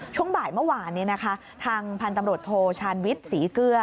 ช่วงบ่ายเมื่อวานนี้นะคะทางพันธุ์ตำรวจโทชานวิทย์ศรีเกลือ